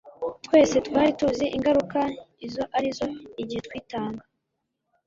Twese twari tuzi ingaruka izo ari zo igihe twitanga